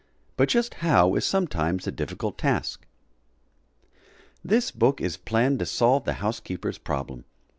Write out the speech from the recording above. But just how is sometimes a difficult task. This book is planned to solve the housekeeper's problem.